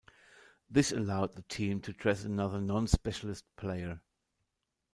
This allowed the team to dress another non-specialist player.